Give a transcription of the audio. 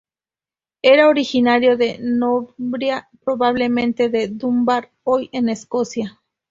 Era originario de Northumbria, probablemente de Dunbar, hoy en Escocia.